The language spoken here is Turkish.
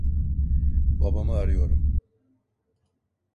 Babamı arıyorum.